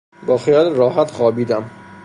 با خیال راحت خوابیدم.